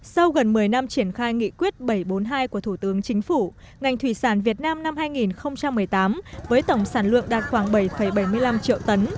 sau gần một mươi năm triển khai nghị quyết bảy trăm bốn mươi hai của thủ tướng chính phủ ngành thủy sản việt nam năm hai nghìn một mươi tám với tổng sản lượng đạt khoảng bảy bảy mươi năm triệu tấn